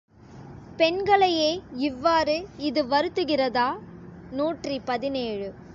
பெண்களையே இவ்வாறு இது வருத்துகிறதா? நூற்றி பதினேழு.